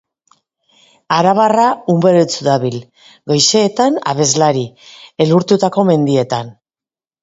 Arabarra umoretsu dabil, goizeetan abeslari, elurtutako mendietan.